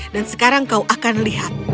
dan sekarang kau akan lihat